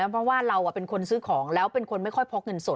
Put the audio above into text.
เพราะว่าเราเป็นคนซื้อของแล้วเป็นคนไม่ค่อยพกเงินสด